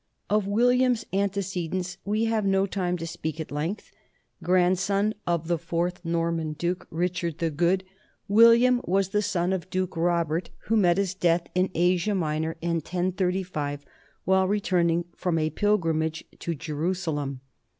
Of William's antecedents we have no time to speak at length. Grandson of the fourth Norman duke, Richard the Good, William was the son of Duke Robert, who met his death in Asia Minor in 1035 while return ing from a pilgrimage to Jerusalem.